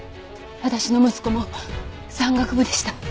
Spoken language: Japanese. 私の息子も山岳部でした。